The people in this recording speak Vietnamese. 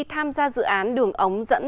tham gia dự án đường ống dẫn